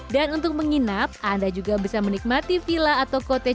dan untuk menginap anda juga bisa menikmati vila atau kotoran